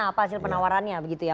apa hasil penawarannya